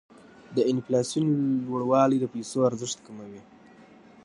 د انفلاسیون لوړوالی د پیسو ارزښت کموي.